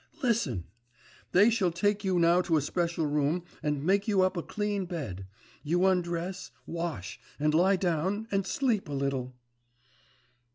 Listen! They shall take you now to a special room, and make you up a clean bed, you undress, wash, and lie down and sleep a little.